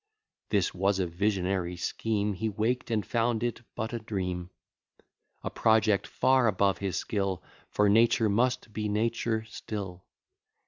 This was a visionary scheme: He waked, and found it but a dream; A project far above his skill: For nature must be nature still.